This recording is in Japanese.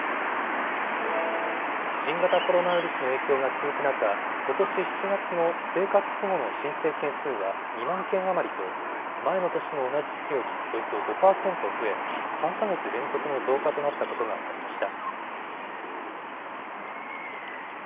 新型コロナウイルスの影響が続く中、ことし７月の生活保護の申請件数は２万件余りと前の年の同じ月よりおよそ５％増え３か月連続の増加となったことが分かりました。